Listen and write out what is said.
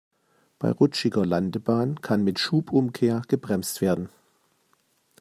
Bei rutschiger Landebahn kann mit Schubumkehr gebremst werden.